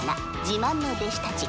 「自慢の弟子たち」